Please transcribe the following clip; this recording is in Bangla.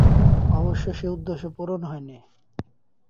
অবশ্য সে উদ্দেশ্য পূরণ হয়নি।